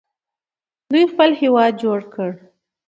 دوی خپل هیواد جوړ کړ.